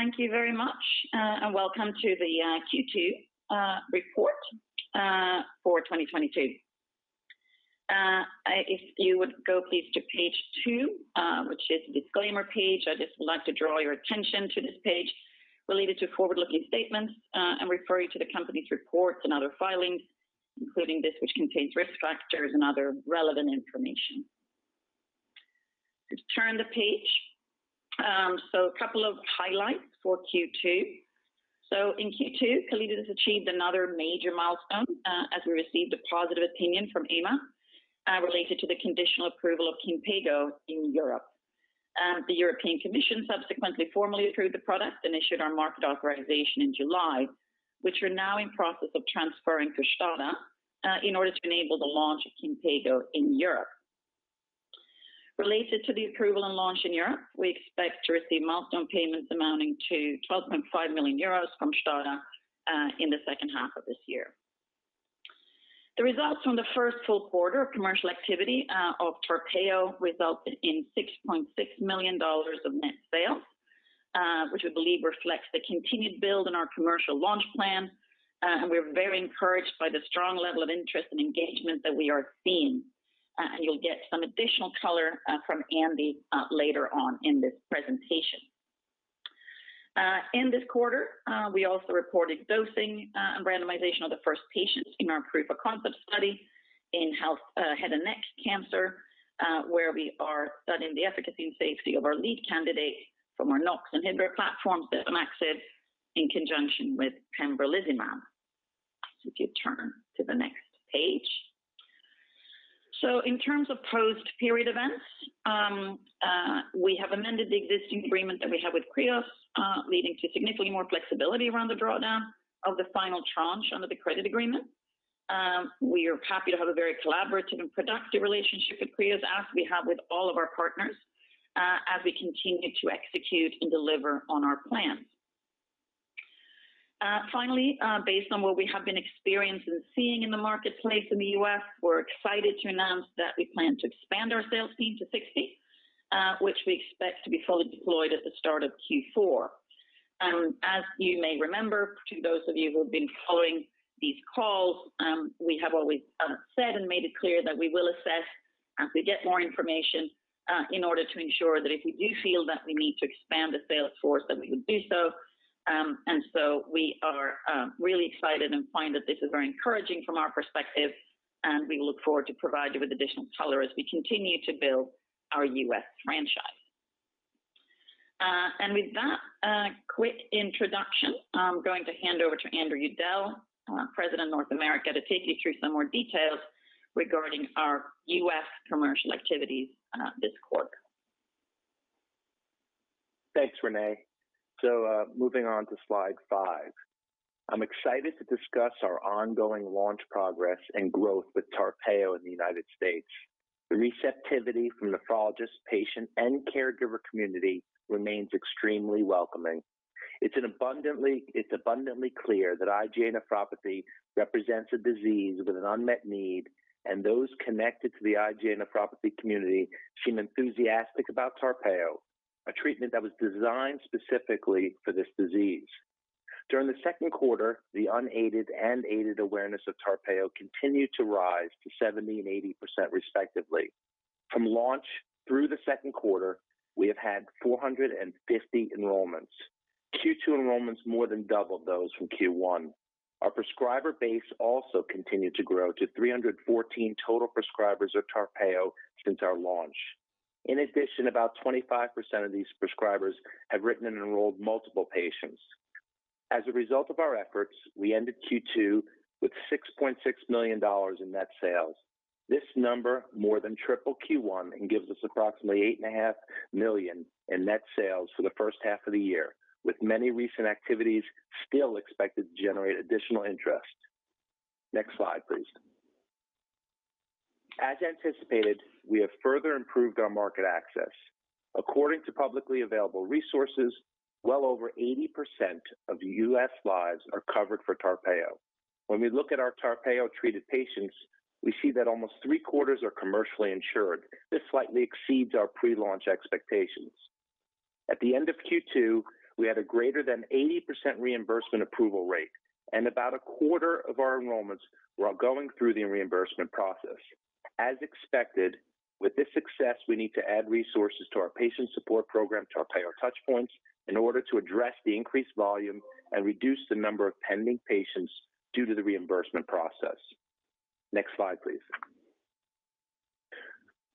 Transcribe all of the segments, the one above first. Thank you very much, and welcome to the Q2 report for 2022. If you would go please to page 2, which is the disclaimer page. I just would like to draw your attention to this page related to forward-looking statements, and refer you to the company's reports and other filings, including this which contains risk factors and other relevant information. If you turn the page. A couple of highlights for Q2. In Q2, Calliditas has achieved another major milestone, as we received a positive opinion from EMA, related to the conditional approval of Kinpeygo in Europe. The European Commission subsequently formally approved the product and issued our market authorization in July, which we're now in process of transferring to STADA, in order to enable the launch of Kinpeygo in Europe. Related to the approval and launch in Europe, we expect to receive milestone payments amounting to 12.5 million euros from STADA, in the second half of this year. The results from the first full quarter of commercial activity, of TARPEYO resulted in $6.6 million of net sales, which we believe reflects the continued build in our commercial launch plan. We're very encouraged by the strong level of interest and engagement that we are seeing. You'll get some additional color from Andy later on in this presentation. In this quarter, we also reported dosing and randomization of the first patients in our proof of concept study in head and neck cancer, where we are studying the efficacy and safety of our lead candidate from our NOX inhibitor platform, setanaxib, in conjunction with pembrolizumab. If you turn to the next page. In terms of post-period events, we have amended the existing agreement that we have with Kreos, leading to significantly more flexibility around the drawdown of the final tranche under the credit agreement. We are happy to have a very collaborative and productive relationship with Kreos as we have with all of our partners, as we continue to execute and deliver on our plans. Finally, based on what we have been experiencing and seeing in the marketplace in the U.S., we're excited to announce that we plan to expand our sales team to 60, which we expect to be fully deployed at the start of Q4. As you may remember, to those of you who have been following these calls, we have always said and made it clear that we will assess as we get more information in order to ensure that if we do feel that we need to expand the sales force, that we would do so. We are really excited and find that this is very encouraging from our perspective, and we look forward to provide you with additional color as we continue to build our US franchise. With that quick introduction, I'm going to hand over to Andrew Udell, President, North America, to take you through some more details regarding our US commercial activities this quarter. Thanks, Renée. Moving on to slide five. I'm excited to discuss our ongoing launch progress and growth with TARPEYO in the United States. The receptivity from nephrologist, patient, and caregiver community remains extremely welcoming. It's abundantly clear that IgA nephropathy represents a disease with an unmet need, and those connected to the IgA nephropathy community seem enthusiastic about TARPEYO, a treatment that was designed specifically for this disease. During the second quarter, the unaided and aided awareness of TARPEYO continued to rise to 70% and 80% respectively. From launch through the second quarter, we have had 450 enrollments. Q2 enrollments more than doubled those from Q1. Our prescriber base also continued to grow to 314 total prescribers of TARPEYO since our launch. In addition, about 25% of these prescribers have written and enrolled multiple patients. As a result of our efforts, we ended Q2 with $6.6 million in net sales. This number more than triple Q1 and gives us approximately $8.5 million in net sales for the first half of the year, with many recent activities still expected to generate additional interest. Next slide, please. As anticipated, we have further improved our market access. According to publicly available resources, well over 80% of US lives are covered for TARPEYO. When we look at our TARPEYO-treated patients, we see that almost three-quarters are commercially insured. This slightly exceeds our pre-launch expectations. At the end of Q2, we had a greater than 80% reimbursement approval rate, and about a quarter of our enrollments were going through the reimbursement process. As expected, with this success, we need to add resources to our patient support program, TARPEYO Touchpoints, in order to address the increased volume and reduce the number of pending patients due to the reimbursement process. Next slide, please.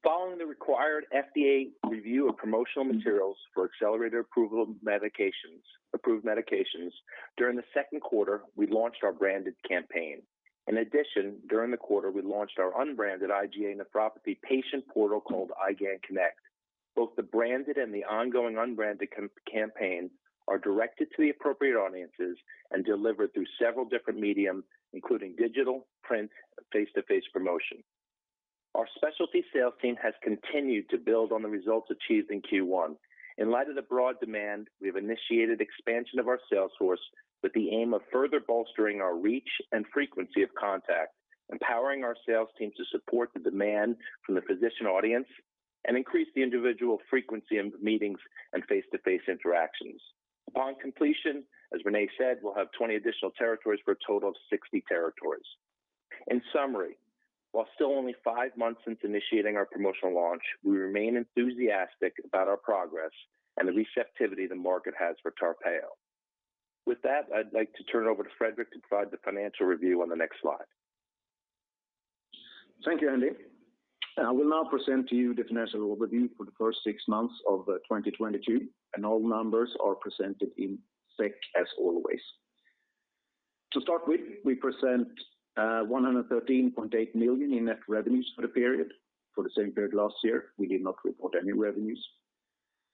Following the required FDA review of promotional materials for accelerated approval of approved medications, during the second quarter, we launched our branded campaign. In addition, during the quarter, we launched our unbranded IgA nephropathy patient portal called IgAN Connect. Both the branded and the ongoing unbranded campaign are directed to the appropriate audiences and delivered through several different mediums, including digital, print, face-to-face promotion. Our specialty sales team has continued to build on the results achieved in Q1. In light of the broad demand, we have initiated expansion of our sales force with the aim of further bolstering our reach and frequency of contact, empowering our sales team to support the demand from the physician audience and increase the individual frequency of meetings and face-to-face interactions. Upon completion, as Renée said, we'll have 20 additional territories for a total of 60 territories. In summary, while still only five months since initiating our promotional launch, we remain enthusiastic about our progress and the receptivity the market has for TARPEYO. With that, I'd like to turn over to Fredrik to provide the financial review on the next slide. Thank you, Andy. I will now present to you the financial overview for the first six months of 2022, and all numbers are presented in SEK, as always. To start with, we present 113.8 million in net revenues for the period. For the same period last year, we did not report any revenues.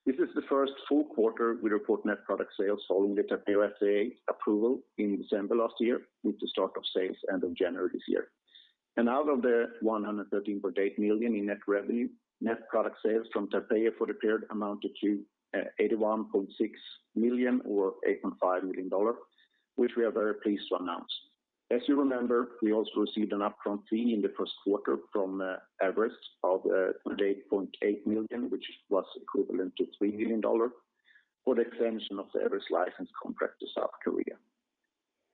This is the first full quarter we report net product sales following the TARPEYO FDA approval in December last year, with the start of sales end of January this year. Out of the 113.8 million in net revenue, net product sales from TARPEYO for the period amounted to 81.6 million or $8.5 million, which we are very pleased to announce. As you remember, we also received an upfront fee in the first quarter from Everest Medicines of 28.8 million, which was equivalent to $3 million for the extension of the Everest Medicines license contract to South Korea.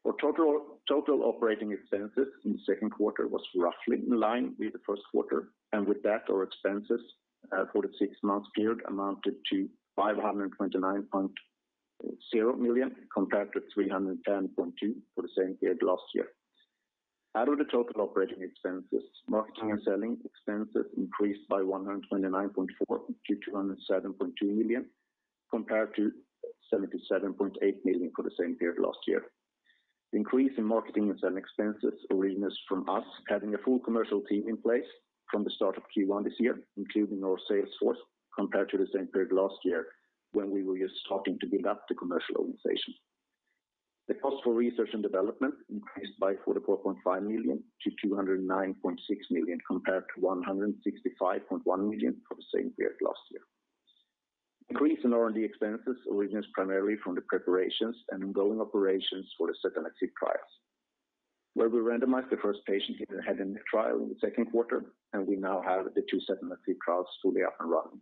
Our total operating expenses in the second quarter was roughly in line with the first quarter, and with that, our expenses for the six months period amounted to 529.0 million compared to 310.2 million for the same period last year. Out of the total operating expenses, marketing and selling expenses increased by 129.4 million to 207.2 million, compared to 77.8 million for the same period last year. The increase in marketing and selling expenses originates from us having a full commercial team in place from the start of Q1 this year, including our sales force, compared to the same period last year when we were just starting to build up the commercial organization. The cost for research and development increased by 44.5 million to 209.6 million compared to 165.1 million for the same period last year. Increase in R&D expenses originates primarily from the preparations and ongoing operations for the setanaxib trials, where we randomized the first patient in the head and neck trial in the second quarter, and we now have the two setanaxib trials fully up and running.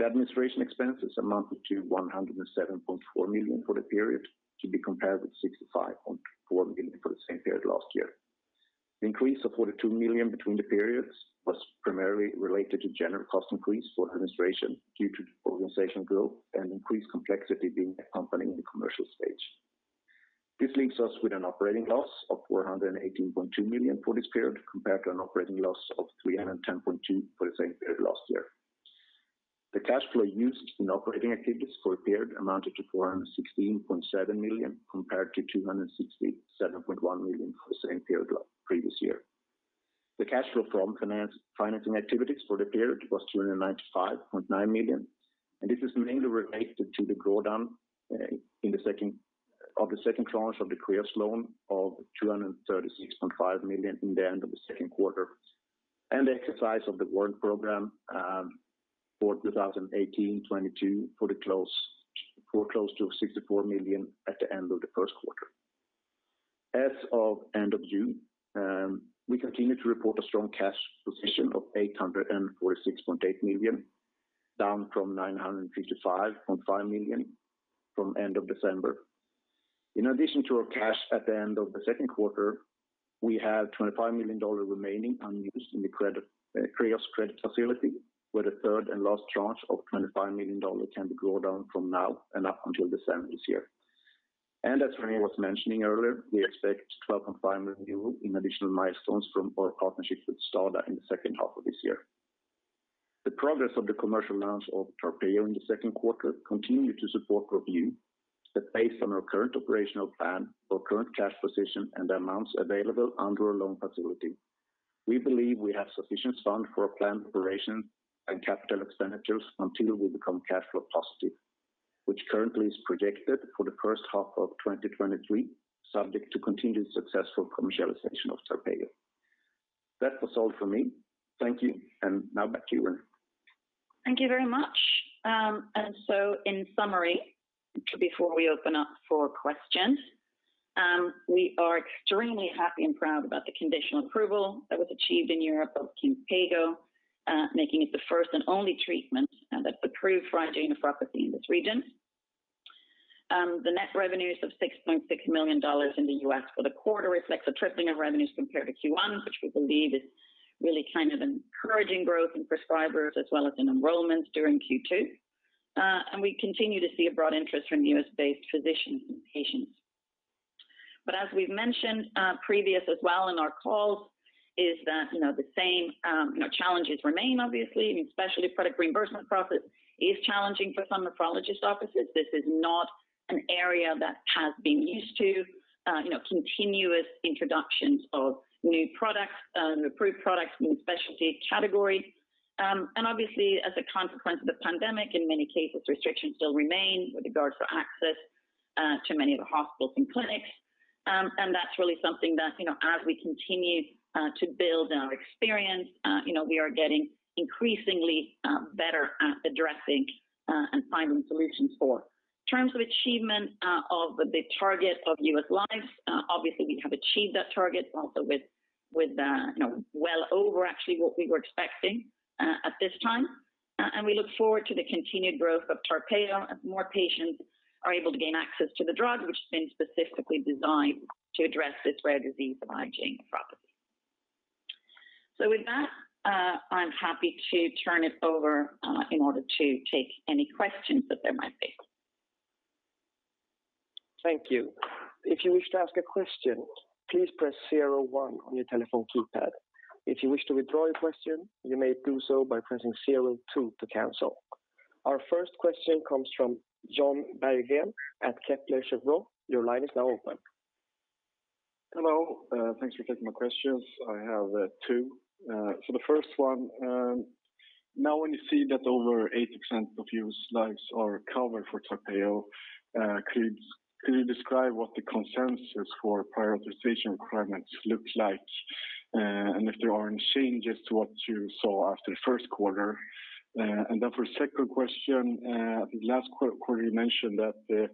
The administration expenses amounted to 107.4 million for the period, to be compared with 65.4 million for the same period last year. The increase of 42 million between the periods was primarily related to general cost increase for administration due to organization growth and increased complexity being a company in the commercial stage. This leaves us with an operating loss of 418.2 million for this period compared to an operating loss of 310.2 million for the same period last year. The cash flow used in operating activities for the period amounted to 416.7 million compared to 267.1 million for the same period previous year. The cash flow from financing activities for the period was 295.9 million, and this is mainly related to the drawdown in the second tranche of the Kreos loan of 236.5 million in the end of the second quarter, and the exercise of the warrant program for 2018-2022 for close to 64 million at the end of the first quarter. As of end of June, we continue to report a strong cash position of 846.8 million, down from 955.5 million from end of December. In addition to our cash at the end of the second quarter, we have $25 million remaining unused in the Kreos credit facility, where the third and last tranche of $25 million can be drawdown from now and up until December this year. As Renée was mentioning earlier, we expect 12.5 million euros in additional milestones from our partnership with STADA in the second half of this year. The progress of the commercial launch of TARPEYO in the second quarter continued to support our view that based on our current operational plan, our current cash position and the amounts available under our loan facility, we believe we have sufficient funds for our planned operations and capital expenditures until we become cash flow positive, which currently is projected for the first half of 2023, subject to continued successful commercialization of TARPEYO. That was all for me. Thank you. Now back to you, Renée. Thank you very much. In summary, before we open up for questions, we are extremely happy and proud about the conditional approval that was achieved in Europe of Kinpeygo, making it the first and only treatment that's approved for IgA nephropathy in this region. The net revenues of $6.6 million in the US for the quarter reflects a tripling of revenues compared to Q1, which we believe is really kind of encouraging growth in prescribers as well as in enrollments during Q2. We continue to see a broad interest from US-based physicians and patients. As we've mentioned, previously as well in our calls, is that, you know, the same, you know, challenges remain obviously, and especially product reimbursement process is challenging for some nephrologist offices. This is not an area that has been used to, you know, continuous introductions of new products, new approved products, new specialty categories. Obviously, as a consequence of the pandemic, in many cases, restrictions still remain with regards to access to many of the hospitals and clinics. That's really something that, you know, as we continue to build our experience, you know, we are getting increasingly better at addressing and finding solutions for. In terms of achievement of the target of US lives, obviously, we have achieved that target also with, you know, well over actually what we were expecting at this time. We look forward to the continued growth of TARPEYO as more patients are able to gain access to the drug, which has been specifically designed to address this rare disease of IgA nephropathy. With that, I'm happy to turn it over in order to take any questions that there might be. Thank you. If you wish to ask a question, please press zero one on your telephone keypad. If you wish to withdraw your question, you may do so by pressing zero two to cancel. Our first question comes from Johan Bergen at Kepler Cheuvreux. Your line is now open. Hello. Thanks for taking my questions. I have two. The first one, now when you see that over 80% of your scripts are covered for TARPEYO, could you describe what the consensus for prior authorization requirements look like, and if there aren't changes to what you saw after the first quarter? Then for second question, I think last quarter, you mentioned that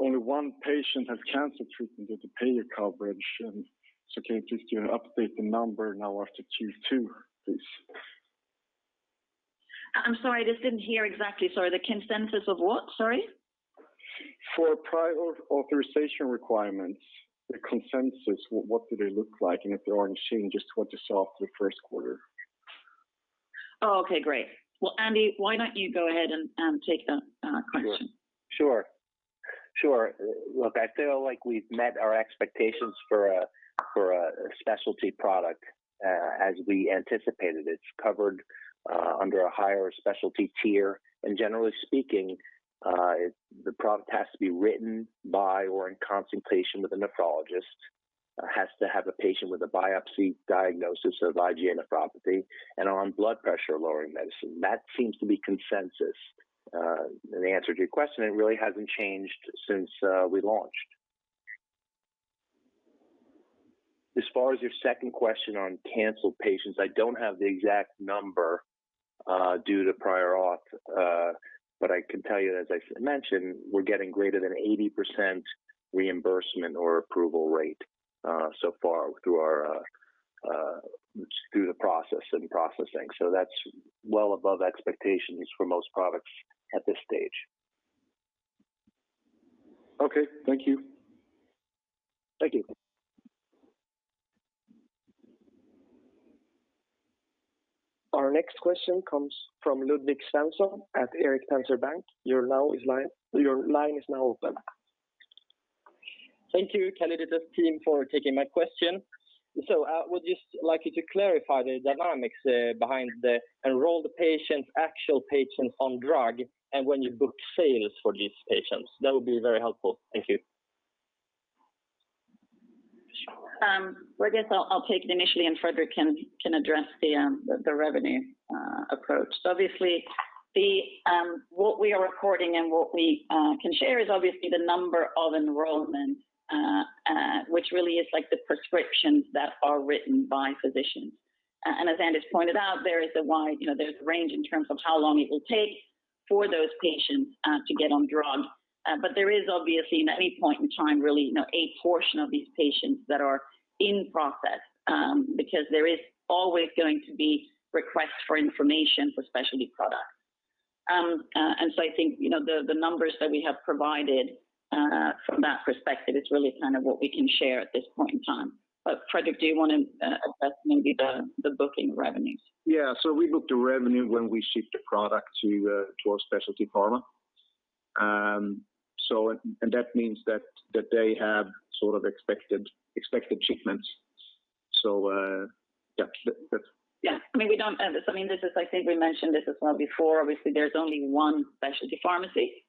only one patient had canceled treatment without payer coverage. Can you please just update the number now after Q2, please? I'm sorry, I just didn't hear exactly. Sorry. The consensus of what? Sorry. For prior authorization requirements, the consensus, what do they look like? If there aren't changes to what you saw after the first quarter. Oh, okay. Great. Well, Andy, why don't you go ahead and take that question. Sure. Look, I feel like we've met our expectations for a specialty product. As we anticipated, it's covered under a higher specialty tier. Generally speaking, the product has to be written by or in consultation with a nephrologist, has to have a patient with a biopsy diagnosis of IgA nephropathy and on blood pressure-lowering medicine. That seems to be consensus. The answer to your question, it really hasn't changed since we launched. As far as your second question on canceled patients, I don't have the exact number due to prior auth. But I can tell you, as I mentioned, we're getting greater than 80% reimbursement or approval rate so far through the process and processing. So that's well above expectations for most products at this stage. Okay. Thank you. Thank you. Our next question comes from Ludvig Svensson at Erik Penser Bank. Your line is now open. Thank you, Calliditas team, for taking my question. Would just like you to clarify the dynamics behind the enrolled patients, actual patients on drug, and when you book sales for these patients. That would be very helpful. Thank you. Sure. Well, I guess I'll take it initially, and Fredrik can address the revenue approach. Obviously, what we are recording and what we can share is obviously the number of enrollments, which really is like the prescriptions that are written by physicians. As Andy's pointed out, there is a wide, you know, range in terms of how long it will take for those patients to get on drug. There is obviously, in any point in time, really, you know, a portion of these patients that are in process, because there is always going to be requests for information for specialty products. I think, you know, the numbers that we have provided from that perspective is really kind of what we can share at this point in time. Fredrik, do you wanna address maybe the booking revenues? Yeah. We book the revenue when we ship the product to our specialty pharma. That means that they have sort of expected shipments. Yeah. That's Yeah. I mean, this is like we mentioned this as well before. Obviously, there's only one specialty pharmacy.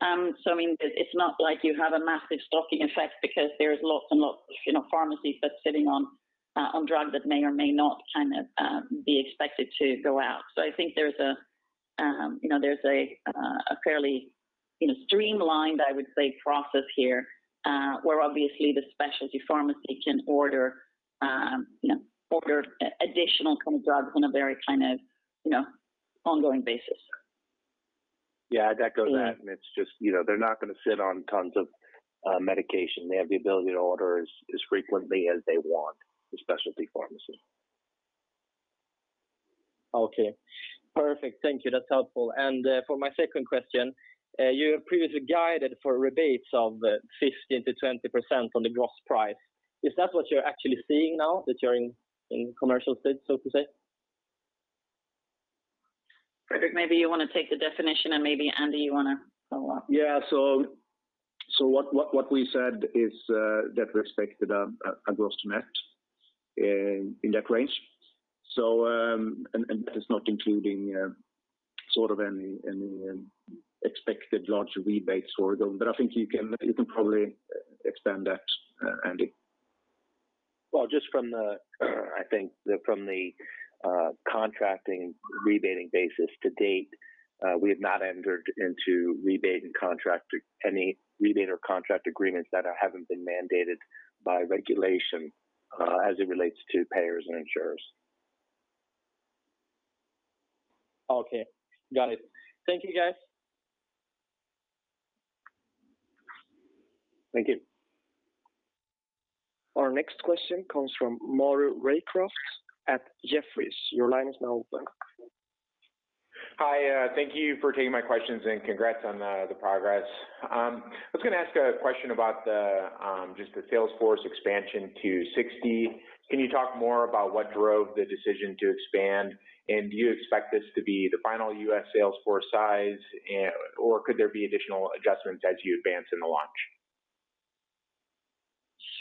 I mean, it's not like you have a massive stocking effect because there's lots and lots of, you know, pharmacies that's sitting on drug that may or may not kind of be expected to go out. I think there's a fairly, you know, streamlined, I would say, process here, where obviously the specialty pharmacy can order additional kind of drugs on a very kind of, you know, ongoing basis. Yeah. I'd echo that. Andy It's just, you know, they're not gonna sit on tons of medication. They have the ability to order as frequently as they want, the specialty pharmacy. Okay. Perfect. Thank you. That's helpful. For my second question, you previously guided for rebates of 15%-20% on the gross price. Is that what you're actually seeing now that you're in commercial state, so to say? Fredrik, maybe you wanna take the definition, and maybe Andy, you wanna follow up. Yeah. What we said is that we expected a gross to net in that range. That is not including sort of any expected large rebates. I think you can probably expand that, Andy. Well, just from the contracting rebating basis to date, we have not entered into rebate and contract or any rebate or contract agreements that haven't been mandated by regulation, as it relates to payers and insurers. Okay. Got it. Thank you, guys. Thank you. Our next question comes from Maury Raycroft at Jefferies. Your line is now open. Hi, thank you for taking my questions, and congrats on the progress. I was gonna ask a question about just the sales force expansion to 60. Can you talk more about what drove the decision to expand? And do you expect this to be the final US sales force size, or could there be additional adjustments as you advance in the launch?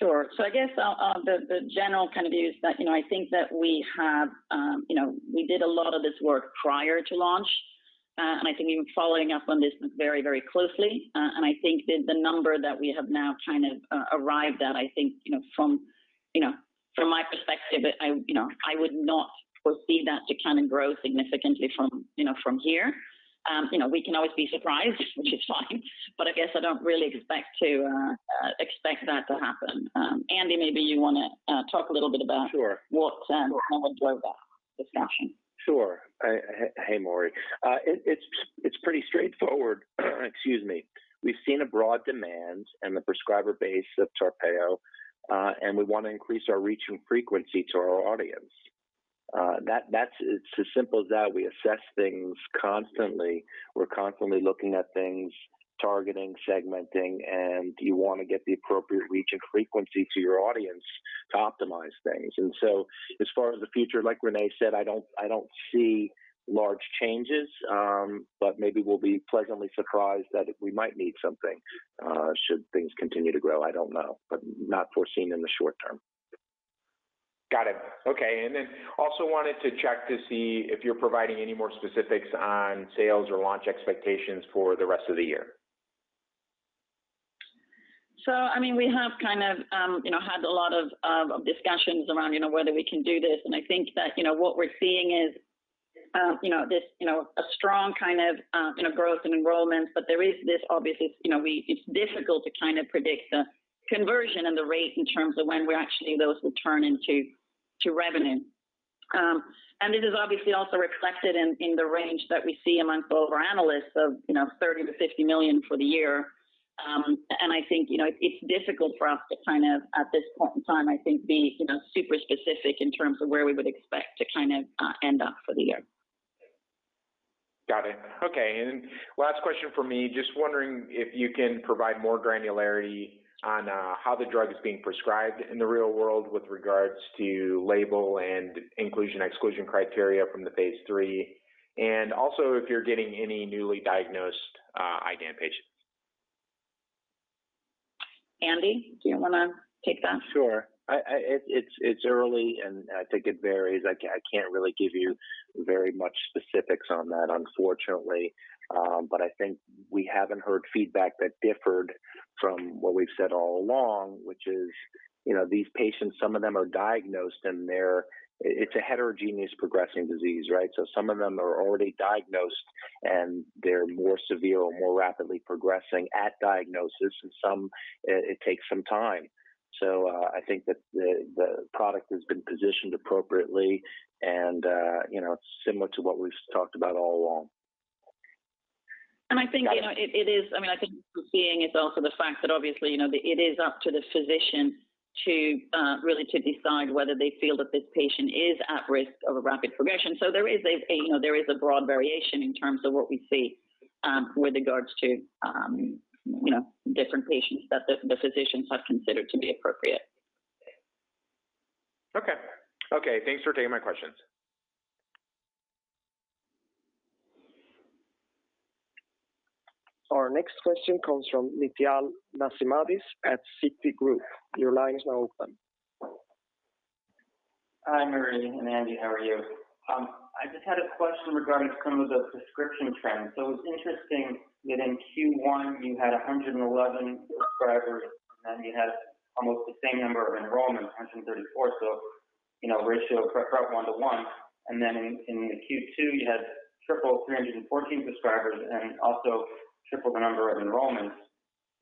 Sure. The general kind of view is that, you know, I think that we have, you know, we did a lot of this work prior to launch. I think we've been following up on this very, very closely. I think that the number that we have now kind of arrived at, I think, you know, from, you know, from my perspective, you know, I would not foresee that declining growth significantly from, you know, from here. You know, we can always be surprised, which is fine, but I guess I don't really expect to expect that to happen. Andy, maybe you wanna talk a little bit about Sure What kind of drove that discussion. Sure. Hey, Maury. It's pretty straightforward. Excuse me. We've seen a broad demand in the prescriber base of TARPEYO, and we wanna increase our reach and frequency to our audience. That's it. It's as simple as that. We assess things constantly. We're constantly looking at things, targeting, segmenting, and you wanna get the appropriate reach and frequency to your audience to optimize things. As far as the future, like Renée said, I don't see large changes. But maybe we'll be pleasantly surprised that we might need something, should things continue to grow. I don't know, but not foreseen in the short term. Got it. Okay. Also wanted to check to see if you're providing any more specifics on sales or launch expectations for the rest of the year? I mean, we have kind of, you know, had a lot of discussions around, you know, whether we can do this. I think that, you know, what we're seeing is, you know, this, you know, a strong kind of, you know, growth in enrollments. There is this obviously, you know, it's difficult to kind of predict the conversion and the rate in terms of when those will actually turn into revenue. This is obviously also reflected in the range that we see among both our analysts of, you know, 30 million-50 million for the year. I think, you know, it's difficult for us to kind of at this point in time, I think, be, you know, super specific in terms of where we would expect to kind of end up for the year. Got it. Okay. Last question for me, just wondering if you can provide more granularity on how the drug is being prescribed in the real world with regards to label and inclusion, exclusion criteria from the phase III. Also, if you're getting any newly diagnosed IgAN patients? Andy, do you wanna take that? Sure. It's early and I think it varies. I can't really give you very much specifics on that, unfortunately. I think we haven't heard feedback that differed from what we've said all along, which is, you know, these patients, some of them are diagnosed. It's a heterogeneous progressing disease, right? Some of them are already diagnosed, and they're more severe or more rapidly progressing at diagnosis, and some, it takes some time. I think that the product has been positioned appropriately and, you know, similar to what we've talked about all along. I think, you know, it is. I mean, I think seeing is also the fact that obviously, you know, it is up to the physician to really decide whether they feel that this patient is at risk of a rapid progression. There is a broad variation in terms of what we see with regards to, you know, different patients that the physicians have considered to be appropriate. Okay, thanks for taking my questions. Our next question comes from Neena Bitritto-Garg at Citigroup. Your line is now open. Hi, Renée and Andy. How are you? I just had a question regarding some of the prescription trends. It's interesting that in Q1 you had 111 prescribers and you had almost the same number of enrollments, 234. You know, ratio of prep one to one. Then in the Q2 you had triple, 314 prescribers and also triple the number of enrollments,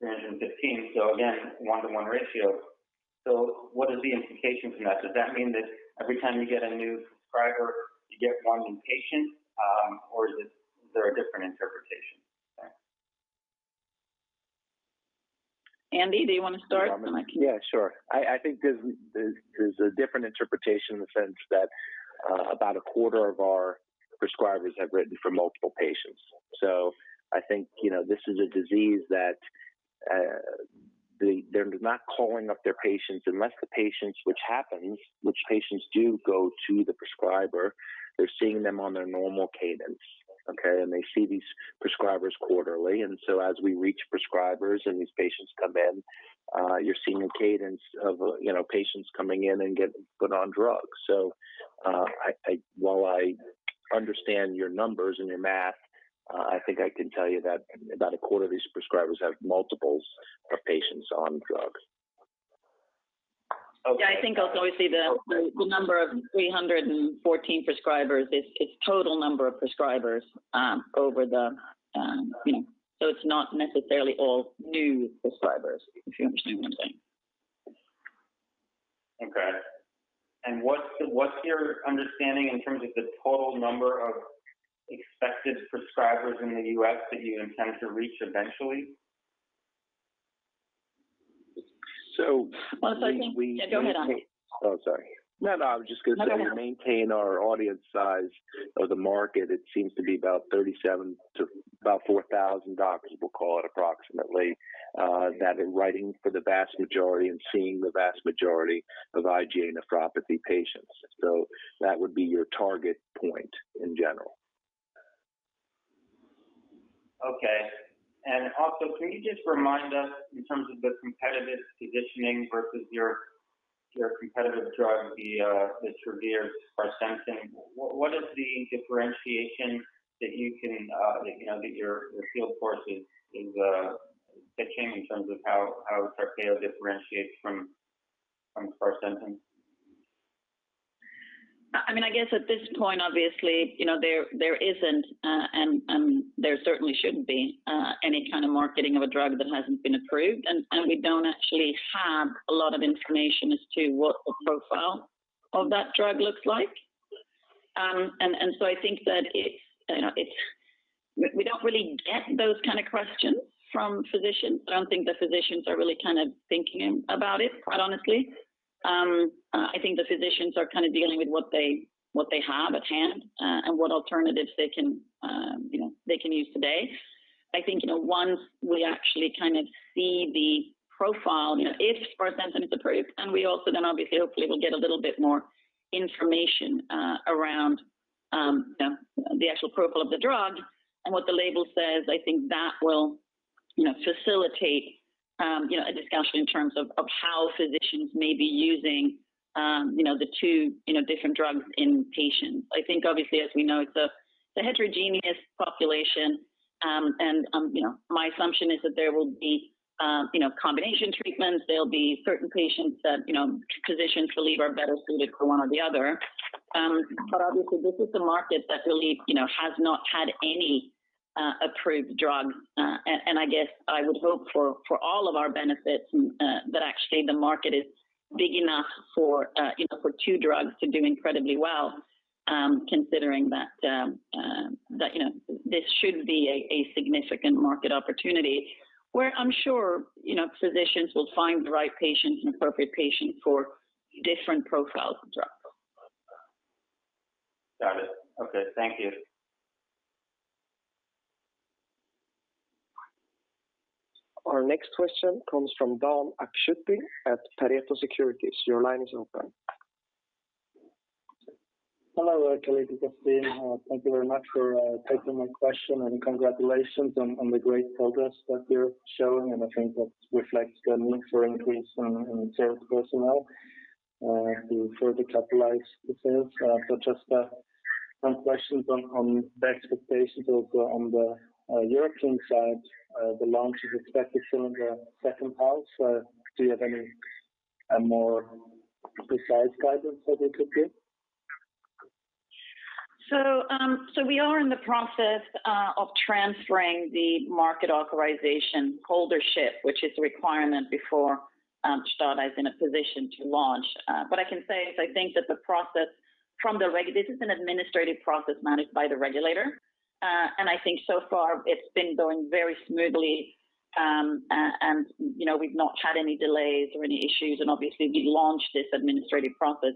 315. Again, one to one ratio. What is the implication for that? Does that mean that every time you get a new prescriber you get one new patient, or is there a different interpretation? Andy, do you wanna start? Then I can- Yeah, sure. I think there's a different interpretation in the sense that about a quarter of our prescribers have written for multiple patients. I think you know this is a disease that they're not calling up their patients unless the patients which happens which patients do go to the prescriber. They're seeing them on their normal cadence. Okay. They see these prescribers quarterly. As we reach prescribers and these patients come in, you're seeing a cadence of you know patients coming in and get put on drugs. While I understand your numbers and your math, I think I can tell you that about a quarter of these prescribers have multiples of patients on drugs. Okay. Yeah. I think also we see the number of 314 prescribers is total number of prescribers over the you know. It's not necessarily all new prescribers, if you understand what I'm saying. Okay. What's your understanding in terms of the total number of expected prescribers in the U.S. that you intend to reach eventually? So we- Yeah, go ahead, Andy. Oh, sorry. No, no, I was just gonna say. No, go now. To maintain our audience size of the market, it seems to be about 37 to about 4,000 doctors, we'll call it approximately, that are writing for the vast majority and seeing the vast majority of IgA nephropathy patients. That would be your target point in general. Okay. Can you just remind us in terms of the competitive positioning versus your competitive drug, the Travere, Farxiga, what is the differentiation that you can you know that your field force is pitching in terms of how TARPEYO differentiates from Farxiga? I mean, I guess at this point, obviously, you know, there isn't, and there certainly shouldn't be any kind of marketing of a drug that hasn't been approved. We don't actually have a lot of information as to what the profile of that drug looks like. I think that it's, you know, we don't really get those kind of questions from physicians. I don't think the physicians are really kind of thinking about it, quite honestly. I think the physicians are kind of dealing with what they have at hand, and what alternatives they can, you know, use today. I think, you know, once we actually kind of see the profile, you know, if Filspari is approved, and we also then obviously hopefully will get a little bit more information around, you know, the actual profile of the drug and what the label says. I think that will, you know, facilitate, you know, a discussion in terms of how physicians may be using, you know, the two, you know, different drugs in patients. I think obviously, as we know, it's a, it's a heterogeneous population, and, you know, my assumption is that there will be, you know, combination treatments. There'll be certain patients that, you know, physicians believe are better suited for one or the other. But obviously, this is a market that really, you know, has not had any approved drug. I guess I would hope for all of our benefits that actually the market is big enough for you know for two drugs to do incredibly well considering that that you know this should be a significant market opportunity where I'm sure you know physicians will find the right patients and appropriate patients for different profiles of drug. Got it. Okay. Thank you. Our next question comes from Dan Akschuti at Pareto Securities. Your line is open. Hello, Calliditas team. Thank you very much for taking my question, and congratulations on the great progress that you're showing, and I think that reflects the need for increase in sales personnel to further capitalize the sales. Just some questions on the expectations on the European side. The launch is expected during the second half. Do you have any more precise guidance that you could give? We are in the process of transferring the market authorization holdership, which is a requirement before STADA is in a position to launch. What I can say is I think that this is an administrative process managed by the regulator. I think so far it's been going very smoothly. And, you know, we've not had any delays or any issues. We launched this administrative process,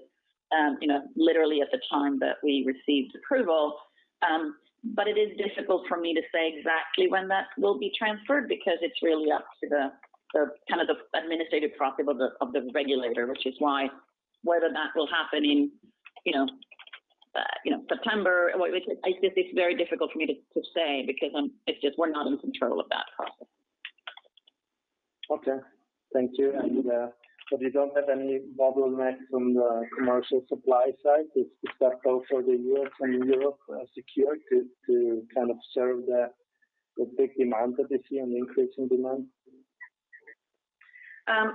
you know, literally at the time that we received approval. It is difficult for me to say exactly when that will be transferred because it's really up to the kind of the administrative process of the regulator, which is why whether that will happen in, you know, September. It's very difficult for me to say because it's just we're not in control of that process. Okay. Thank you. You don't have any bottlenecks on the commercial supply side. It's that both for the U.S. and Europe, secured to kind of serve the big demand that you see an increase in demand?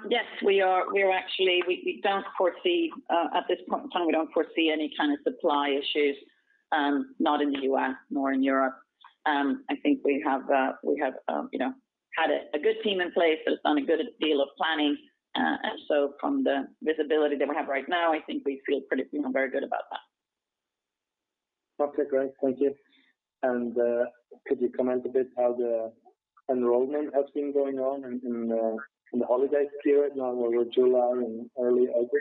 Yes. We are actually. We don't foresee at this point in time any kind of supply issues, not in the U.S. nor in Europe. I think we have, you know, had a good team in place that has done a good deal of planning. From the visibility that we have right now, I think we feel pretty, you know, very good about that. Okay, great. Thank you. Could you comment a bit how the enrollment has been going on in the holiday period now over July and early August?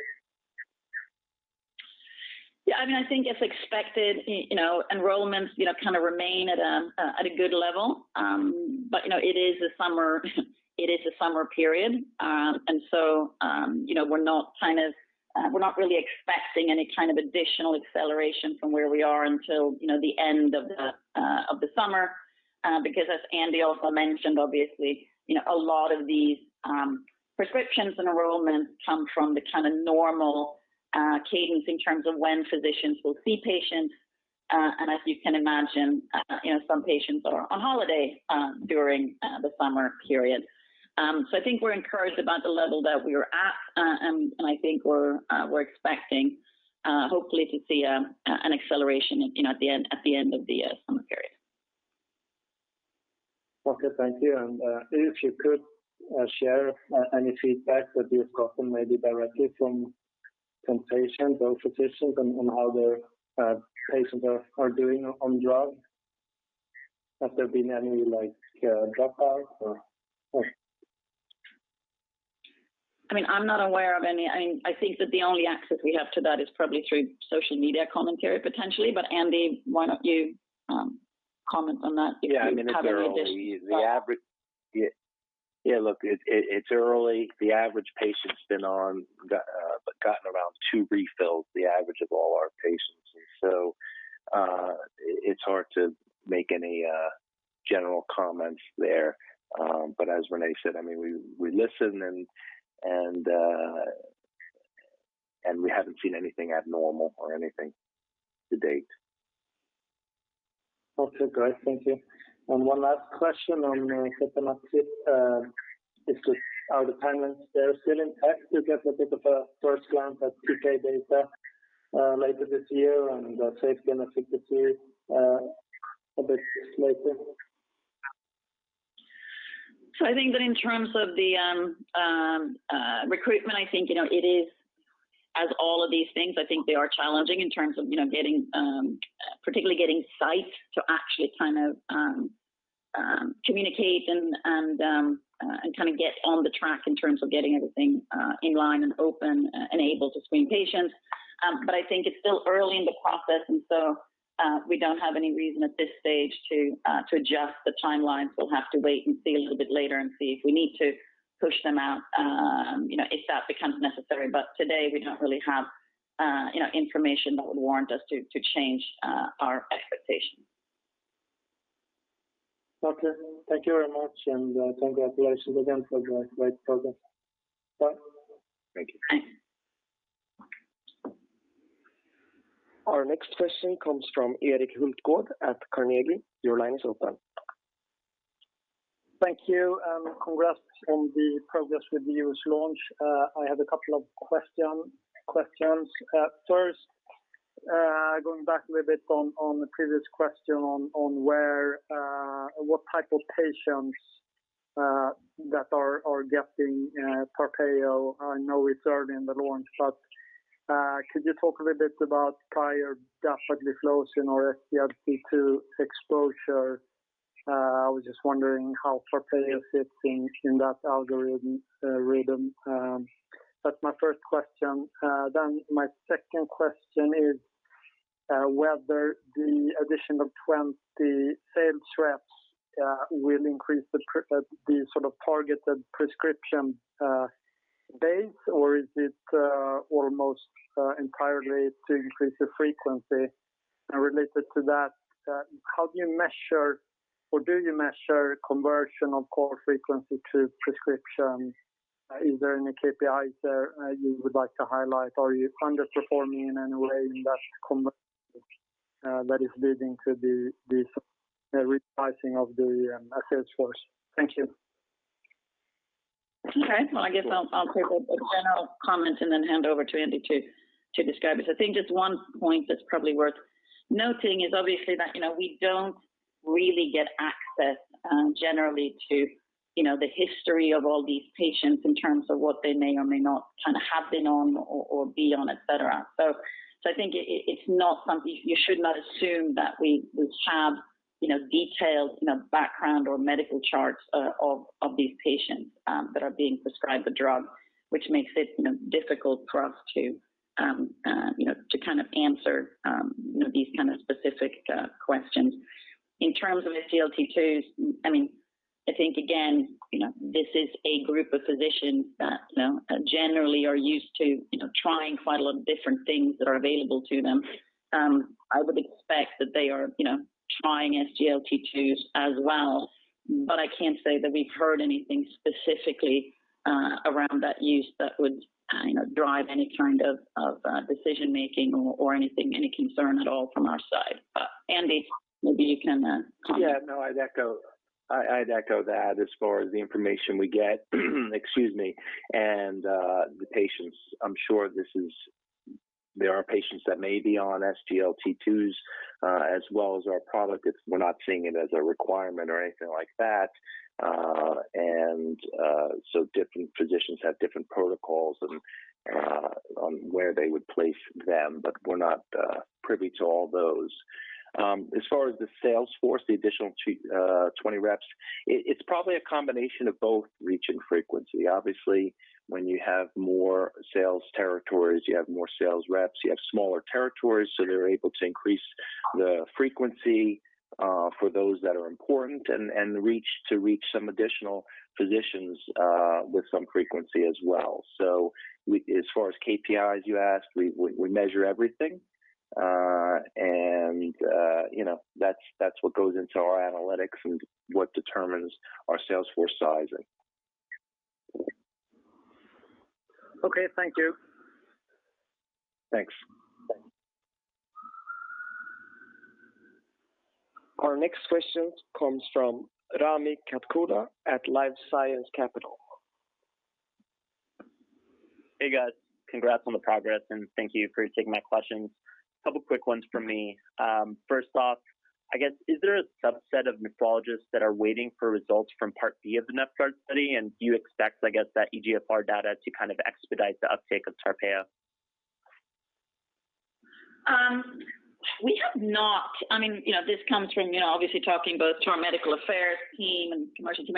Yeah. I mean, I think as expected, you know, enrollments, you know, kind of remain at a good level. You know, it is a summer period. We're not really expecting any kind of additional acceleration from where we are until, you know, the end of the summer. Because as Andy also mentioned, obviously, you know, a lot of these prescriptions and enrollments come from the kind of normal cadence in terms of when physicians will see patients. As you can imagine, you know, some patients are on holiday during the summer period. I think we're encouraged about the level that we are at. I think we're expecting hopefully to see an acceleration, you know, at the end of the summer period. Okay, thank you. If you could share any feedback that you've gotten maybe directly from some patients or physicians on how their patients are doing on drug. Has there been any, like, dropouts or... I mean, I'm not aware of any. I mean, I think that the only access we have to that is probably through social media commentary, potentially. But Andy, why don't you comment on that if you have any additional Yeah, I mean, it's early. Yeah, look, it's early. The average patient's gotten around 2 refills, the average of all our patients. It's hard to make any general comments there. But as Renée said, I mean, we listen and we haven't seen anything abnormal or anything to date. Okay, great. Thank you. One last question on sotagliflozin. Are the timelines there still intact? We get a bit of a first glance at PK data later this year and safety and efficacy a bit later. I think that in terms of the recruitment, I think, you know, it is as all of these things, I think they are challenging in terms of, you know, getting, particularly getting sites to actually kind of, communicate and kind of get on the track in terms of getting everything, in line and open, and able to screen patients. I think it's still early in the process, we don't have any reason at this stage to adjust the timelines. We'll have to wait and see a little bit later and see if we need to push them out, you know, if that becomes necessary. Today we don't really have, you know, information that would warrant us to change our expectations. Okay. Thank you very much, and congratulations again for the great progress. Bye. Thank you. Our next question comes from Erik Hultgård at Carnegie. Your line is open. Thank you, and congrats on the progress with the U.S. launch. I have a couple of questions. First, going back a little bit on the previous question on where what type of patients that are getting TARPEYO. I know it's early in the launch, but could you talk a little bit about prior dapagliflozin or SGLT2 exposure? I was just wondering how TARPEYO fits in that algorithm. That's my first question. My second question is whether the addition of 20 sales reps will increase the sort of targeted prescription base or is it almost entirely to increase the frequency? Related to that, how do you measure or do you measure conversion of core frequency to prescription? Is there any KPIs there you would like to highlight? Are you underperforming in any way in that conversion that is leading to the repricing of the sales force? Thank you. Okay. Well, I guess I'll take a general comment and then hand over to Andy to describe it. I think just one point that's probably worth noting is obviously that, you know, we don't really get access generally to, you know, the history of all these patients in terms of what they may or may not kind of have been on or be on, et cetera. I think it's not something. You should not assume that we have, you know, detailed, you know, background or medical charts of these patients that are being prescribed the drug which makes it, you know, difficult for us to you know kind of answer, you know, these kind of specific questions. In terms of SGLT2s, I mean, I think again, you know, this is a group of physicians that, you know, generally are used to, you know, trying quite a lot of different things that are available to them. I would expect that they are, you know, trying SGLT2s as well. I can't say that we've heard anything specifically around that use that would, you know, drive any kind of of decision-making or anything, any concern at all from our side. Andy, maybe you can comment. No, I'd echo that as far as the information we get. Excuse me. The patients, I'm sure this is. There are patients that may be on SGLT2s as well as our product. We're not seeing it as a requirement or anything like that. Different physicians have different protocols on where they would place them, but we're not privy to all those. As far as the sales force, the additional 20 reps, it's probably a combination of both reach and frequency. Obviously, when you have more sales territories, you have more sales reps, you have smaller territories, so they're able to increase the frequency for those that are important and the reach to reach some additional physicians with some frequency as well. As far as KPIs you asked, we measure everything. You know, that's what goes into our analytics and what determines our sales force sizing. Okay. Thank you. Thanks. Our next question comes from Rami Katkhuda at LifeSci Capital. Hey guys, congrats on the progress, and thank you for taking my questions. A couple quick ones from me. First off, I guess, is there a subset of nephrologists that are waiting for results from part B of the NefIgArd study? Do you expect, I guess that eGFR data to kind of expedite the uptake of TARPEYO? I mean, you know, this comes from, you know, obviously talking both to our medical affairs team and commercial team.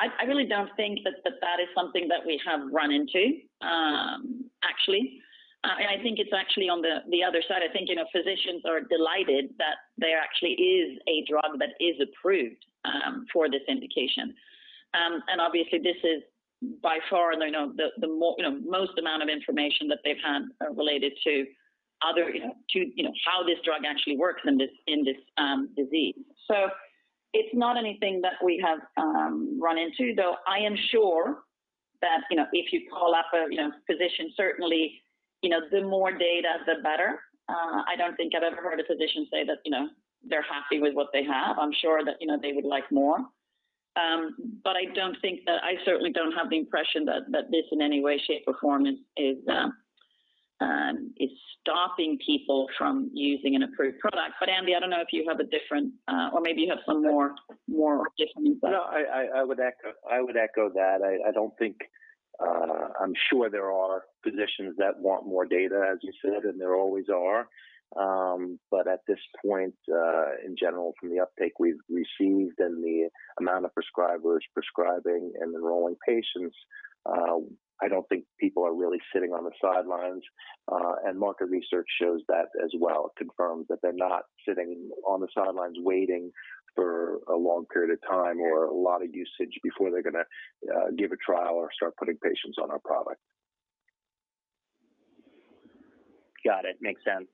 I really don't think that that is something that we have run into, actually. I think it's actually on the other side. I think, you know, physicians are delighted that there actually is a drug that is approved for this indication. Obviously this is by far, you know, most amount of information that they've had, related to other, you know, to, you know, how this drug actually works in this disease. It's not anything that we have run into, though I am sure that, you know, if you call up a, you know, physician, certainly, you know, the more data, the better. I don't think I've ever heard a physician say that, you know, they're happy with what they have. I'm sure that, you know, they would like more. I don't think that I certainly don't have the impression that this in any way, shape, or form is stopping people from using an approved product. Andy, I don't know if you have a different or maybe you have some more additional insight. No, I would echo that. I don't think I'm sure there are physicians that want more data, as you said, and there always are. At this point, in general from the uptake we've received and the amount of prescribers prescribing and enrolling patients, I don't think people are really sitting on the sidelines. Market research shows that as well. It confirms that they're not sitting on the sidelines waiting for a long period of time or a lot of usage before they're gonna give a trial or start putting patients on our product. Got it. Makes sense.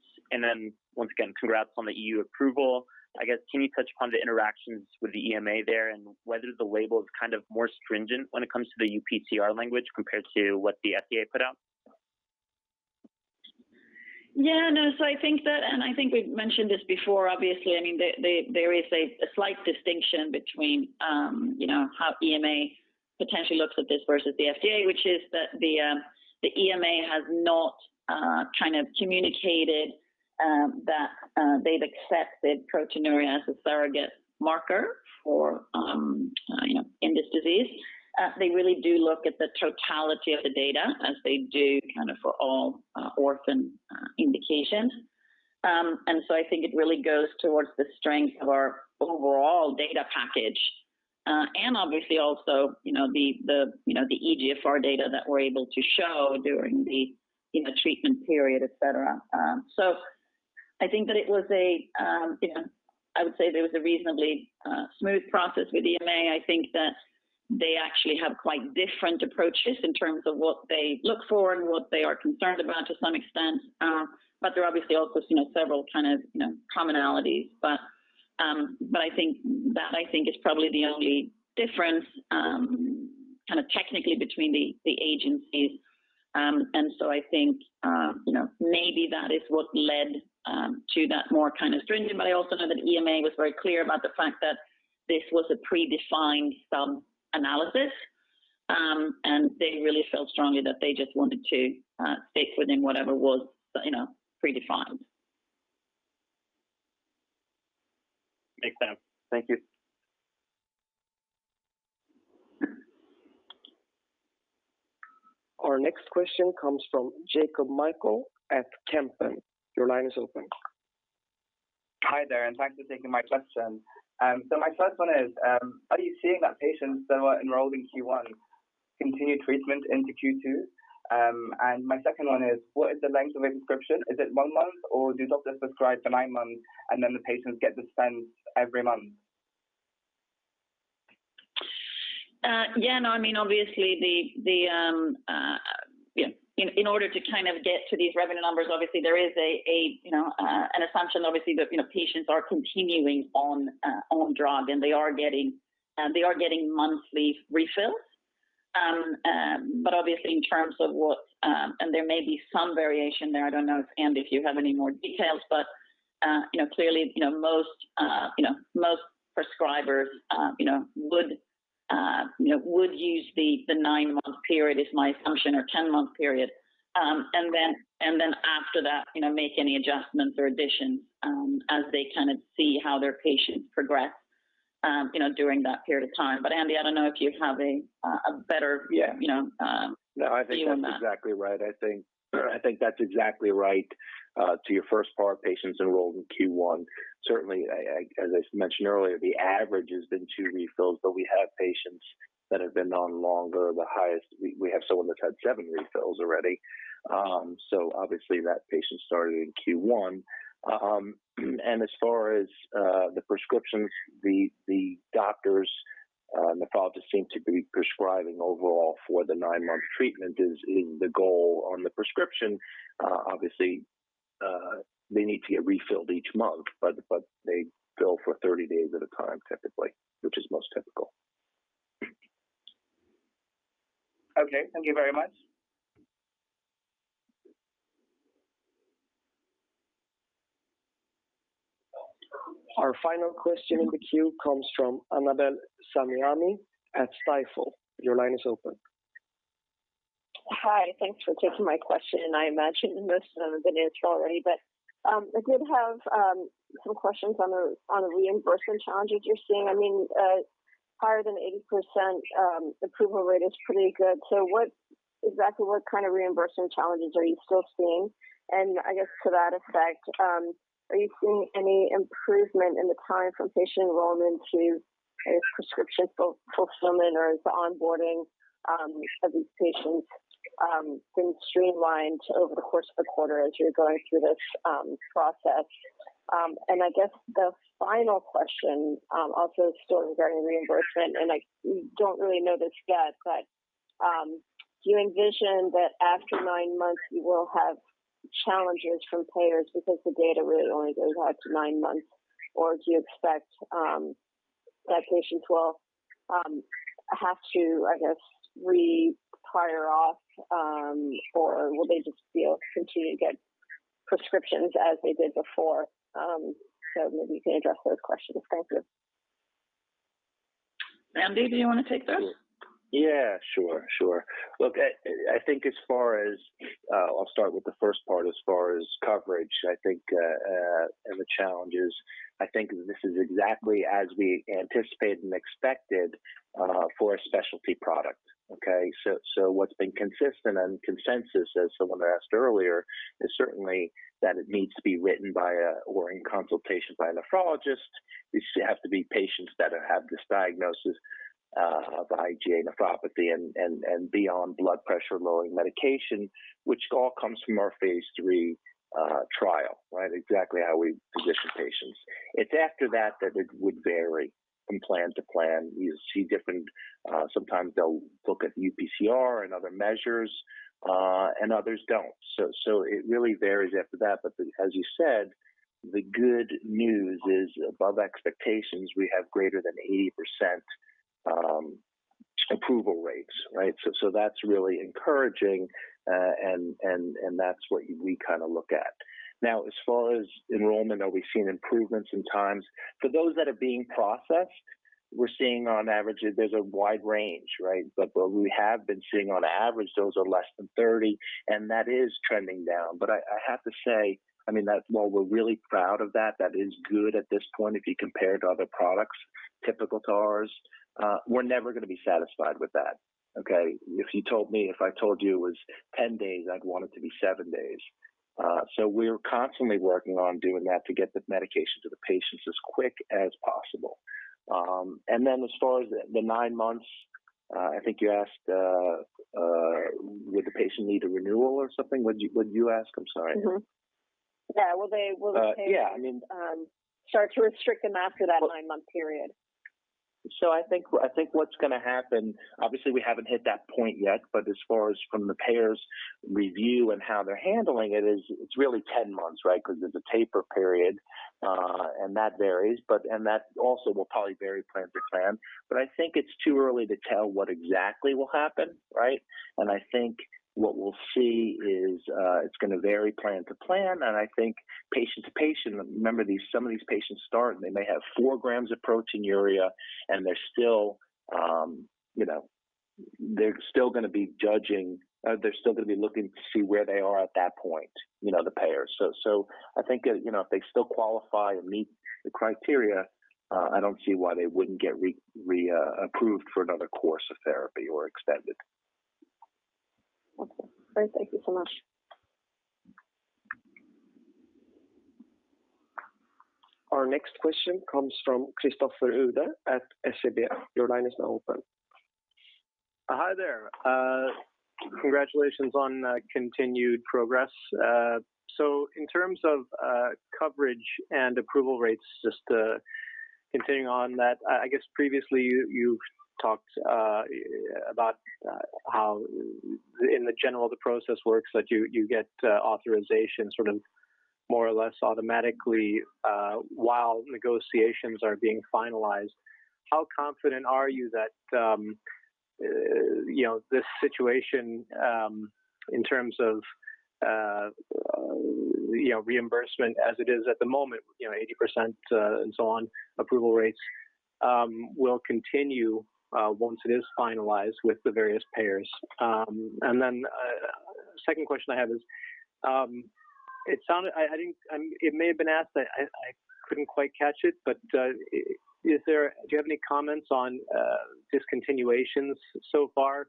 Once again, congrats on the EU approval. I guess, can you touch upon the interactions with the EMA there and whether the label is kind of more stringent when it comes to the UPCR language compared to what the FDA put out? Yeah, no. I think that, and I think we've mentioned this before, obviously, I mean, there is a slight distinction between, you know, how EMA potentially looks at this versus the FDA, which is that the EMA has not kind of communicated that they've accepted proteinuria as a surrogate marker for, you know, in this disease. They really do look at the totality of the data as they do kind of for all orphan indications. I think it really goes towards the strength of our overall data package. Obviously also, you know, the EGFR data that we're able to show during the, you know, treatment period, et cetera. I think that it was, you know, I would say there was a reasonably smooth process with EMA. I think that they actually have quite different approaches in terms of what they look for and what they are concerned about to some extent. There are obviously also, you know, several kind of, you know, commonalities. I think is probably the only difference, kind of technically between the agencies. I think, you know, maybe that is what led to that more kind of stringent. I also know that EMA was very clear about the fact that this was a predefined sub-analysis, and they really felt strongly that they just wanted to stick within whatever was, you know, predefined. Makes sense. Thank you. Our next question comes from Jacob Mekhael at Kempen. Your line is open. Hi there, and thanks for taking my question. My first one is, are you seeing that patients that were enrolled in Q1 continue treatment into Q2? My second one is, what is the length of a prescription? Is it one month, or do doctors prescribe for nine months, and then the patients get dispensed every month? Yeah, no, I mean, obviously, you know, in order to kind of get to these revenue numbers, obviously there is, you know, an assumption obviously that, you know, patients are continuing on drug, and they are getting monthly refills. There may be some variation there. I don't know if Andy, you have any more details, but, you know, clearly, you know, most prescribers, you know, would use the nine-month period, is my assumption, or ten-month period. Then after that, you know, make any adjustments or additions, as they kind of see how their patients progress, you know, during that period of time. Andy, I don't know if you have a better. Yeah. You know, view on that. No, I think that's exactly right. To your first part, patients enrolled in Q1. Certainly, as I mentioned earlier, the average has been 2 refills, but we have patients that have been on longer. The highest, we have someone that's had 7 refills already. Obviously that patient started in Q1. As far as the prescriptions, the doctors, nephrologists seem to be prescribing overall for the 9-month treatment is the goal on the prescription. Obviously, they need to get refilled each month, but they bill for 30 days at a time, typically, which is most typical. Okay. Thank you very much. Our final question in the queue comes from Annabel Samimy at Stifel. Your line is open. Hi. Thanks for taking my question, and I imagine most of the news already. I did have some questions on the reimbursement challenges you're seeing. I mean, higher than 80% approval rate is pretty good. What exactly what kind of reimbursement challenges are you still seeing? I guess to that effect, are you seeing any improvement in the time from patient enrollment to prescription fulfillment, or is the onboarding of these patients been streamlined over the course of the quarter as you're going through this process? I guess the final question, also still regarding reimbursement, and you don't really know this yet, but, do you envision that after nine months you will have challenges from payers because the data really only goes out to nine months? Do you expect that patients will have to, I guess, re-prioritize, or will they just be able to continue to get prescriptions as they did before? Maybe you can address those questions. Thank you. Andy, do you want to take this? Look, I think as far as I'll start with the first part as far as coverage, I think, and the challenges, I think this is exactly as we anticipated and expected for a specialty product, okay? What's been consistent and consensus, as someone asked earlier, is certainly that it needs to be written by a or in consultation by a nephrologist. These have to be patients that have this diagnosis of IgA nephropathy and be on blood pressure-lowering medication, which all comes from our phase III trial, right? Exactly how we position patients. It's after that it would vary from plan to plan. You see different, sometimes they'll look at the UPCR and other measures, and others don't. It really varies after that. As you said, the good news is above expectations. We have greater than 80% approval rates, right? That's really encouraging, and that's what we kind of look at. Now, as far as enrollment, are we seeing improvements in times? For those that are being processed, we're seeing on average, there's a wide range, right? What we have been seeing on average, those are less than 30, and that is trending down. I have to say, I mean, that's while we're really proud of that is good at this point if you compare to other products typical to ours, we're never gonna be satisfied with that, okay? If I told you it was 10 days, I'd want it to be 7 days. We're constantly working on doing that to get the medication to the patients as quick as possible. As far as the nine months, I think you asked, would the patient need a renewal or something? What did you ask? I'm sorry. Will the patient- Yeah. I mean. Start to restrict them after that nine-month period. I think what's gonna happen, obviously we haven't hit that point yet, but as far as from the payers' review and how they're handling it is it's really 10 months, right? 'Cause there's a taper period, and that varies. That also will probably vary plan to plan. I think it's too early to tell what exactly will happen, right? I think what we'll see is, it's gonna vary plan to plan, and I think patient to patient. Remember, these, some of these patients start, and they may have 4 grams of proteinuria, and they're still, you know, they're still gonna be looking to see where they are at that point, you know, the payers. I think, you know, if they still qualify and meet the criteria, I don't see why they wouldn't get re-approved for another course of therapy or extended. Okay. Great. Thank you so much. Our next question comes from Christopher Uhde at SEB. Your line is now open. Hi there. Congratulations on continued progress. So in terms of coverage and approval rates, just continuing on that, I guess previously you talked about how in general the process works, that you get authorization sort of more or less automatically while negotiations are being finalized. How confident are you that you know this situation in terms of you know reimbursement as it is at the moment, you know, 80% and so on, approval rates will continue once it is finalized with the various payers? Second question I have is, it sounded I couldn't quite catch it, but do you have any comments on discontinuations so far?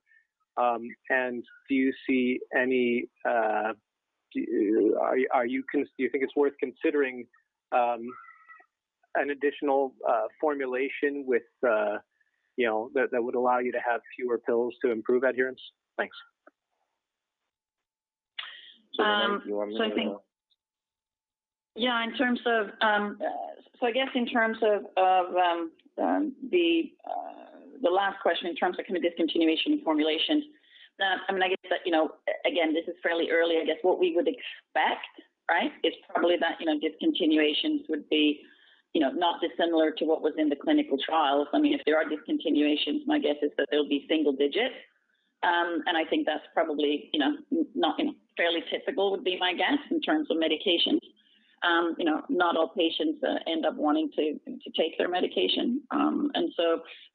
Do you think it's worth considering an additional formulation with you know that would allow you to have fewer pills to improve adherence? Thanks. I think. Do you want me to? Yeah. In terms of the last question in terms of kind of discontinuation formulations, I mean, I guess that, you know, this is fairly early. I guess what we would expect, right, is probably that, you know, discontinuations would be, you know, not dissimilar to what was in the clinical trials. I mean, if there are discontinuations, my guess is that they'll be single digit. I think that's probably, you know, fairly typical would be my guess in terms of medications. You know, not all patients end up wanting to take their medication.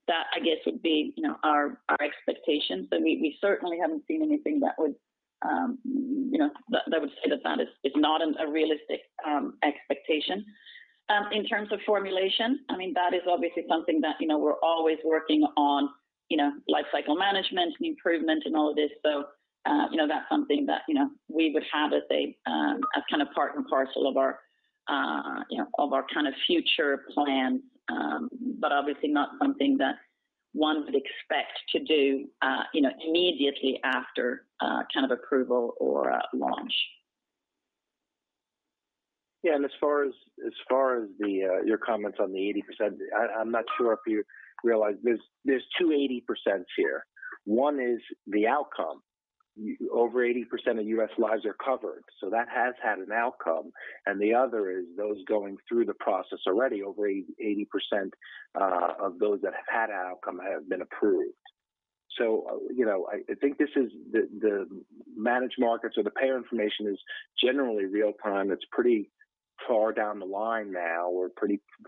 That I guess would be, you know, our expectations. We certainly haven't seen anything that would, you know, that would say that that is not a realistic expectation. In terms of formulation, I mean, that is obviously something that, you know, we're always working on, you know, life cycle management and improvement and all of this. That's something that, you know, we would have as kind of part and parcel of our, you know, of our kind of future plans. Obviously not something that one would expect to do, you know, immediately after kind of approval or launch. As far as your comments on the 80%, I'm not sure if you realize there's two 80%s here. One is the outcome. Over 80% of US lives are covered, so that has had an outcome. The other is those going through the process already, over 80% of those that have had outcome have been approved. I think this is the managed markets or the payer information is generally real-time. It's pretty far down the line now. We're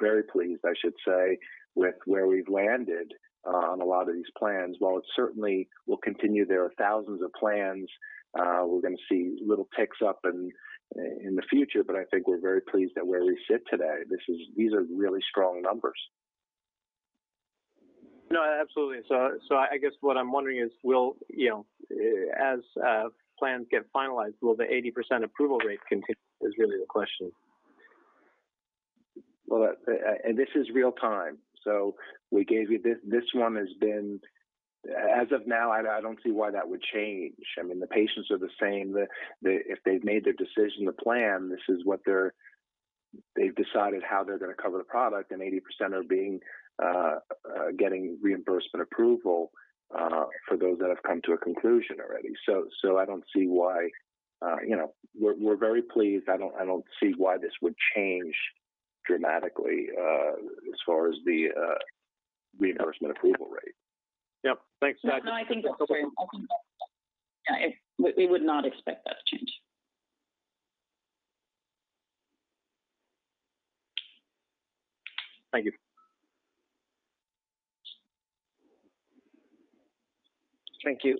very pleased, I should say, with where we've landed on a lot of these plans. While it certainly will continue, there are thousands of plans, we're gonna see little ticks up in the future. I think we're very pleased at where we sit today. These are really strong numbers. No, absolutely. I guess what I'm wondering is, will you know, as plans get finalized, will the 80% approval rate continue. Is really the question. Well, this is real time. We gave you this. This one has been. As of now, I don't see why that would change. I mean, the patients are the same. If they've made their decision to plan, this is what they've decided how they're gonna cover the product, and 80% are getting reimbursement approval for those that have come to a conclusion already. I don't see why. You know, we're very pleased. I don't see why this would change dramatically, as far as the reimbursement approval rate. Yep. Thanks, Andy. No, I think that's yeah. We would not expect that to change. Thank you. Thank you.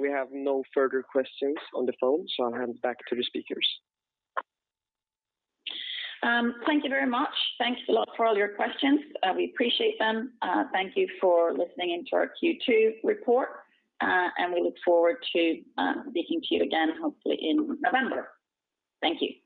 We have no further questions on the phone, so I'll hand it back to the speakers. Thank you very much. Thanks a lot for all your questions. We appreciate them. Thank you for listening in to our Q2 report, and we look forward to speaking to you again hopefully in November. Thank you.